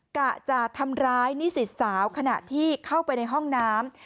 กะจะทำร้ายนิสิตสาวขณะที่เข้าไปในห้องน้ำ